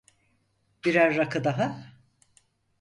Birer rakı daha!